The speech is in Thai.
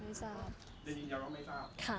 ถึงเดี๋ยวเอกล้องทราบ